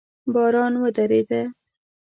باران ودرېده